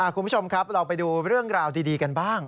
คุณผู้ชมครับเราไปดูเรื่องราวดีกันบ้าง